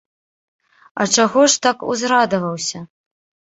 А чаго ж так узрадаваўся?